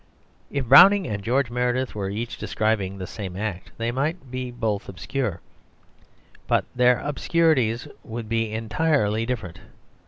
If Browning and George Meredith were each describing the same act, they might both be obscure, but their obscurities would be entirely different.